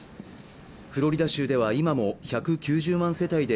フロリダ州では今も１９０万世帯で